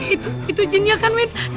itu itu jennya kan win